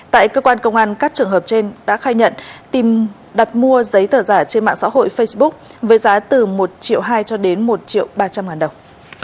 tại cơ quan công an các trường hợp trên đã khai nhận đặt mua giấy tờ giả trên mạng xã hội facebook với giá từ một triệu hai cho đến một triệu ba trăm linh ngàn đồng